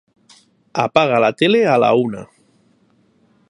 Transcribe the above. Apaga la tele a la una.